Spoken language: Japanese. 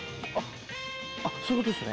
あっそういうことっすね。